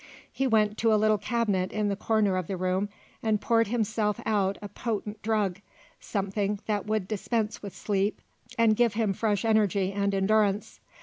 He went to a little cabinet in the corner of the room and poured himself out a potent drug, something that would dispense with sleep and give him fresh energy and endurance.